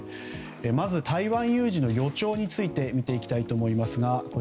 まず台湾有事の予兆について見ていきたいと思います。